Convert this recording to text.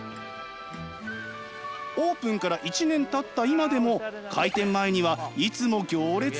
オープンから１年たった今でも開店前にはいつも行列が。